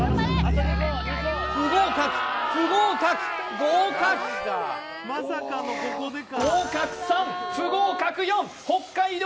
不合格不合格合格合格３不合格４北海道